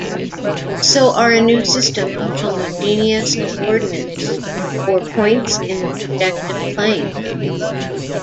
So are a new system of homogeneous coordinates for points in the projective plane.